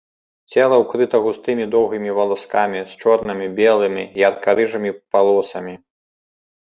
Цела ўкрыта густымі доўгімі валаскамі, з чорнымі, белымі, ярка-рыжымі палосамі.